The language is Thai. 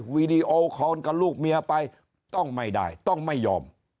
วีดีโอคอนกับลูกเมียไปต้องไม่ได้ต้องไม่ยอม